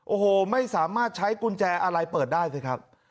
โอ้โหไม่สามารถใช้กุญแจอะไรเปิดได้สิครับ